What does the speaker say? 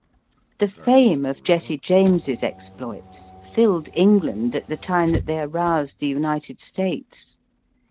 The fame of Jesse James's exploits filled England at the time that they aroused the United States.